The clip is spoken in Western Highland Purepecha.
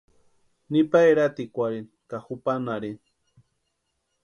Nipa eratikwarhini ka jupanharhini.